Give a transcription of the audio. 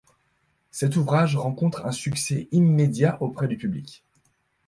Cet ouvrage rencontre un succès immédiat auprès du public.